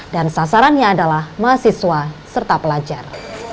dan sasarannya adalah mahasiswa serta pelajar